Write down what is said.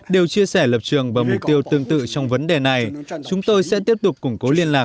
đều chia sẻ lập trường và mục tiêu tương tự trong vấn đề này chúng tôi sẽ tiếp tục củng cố liên lạc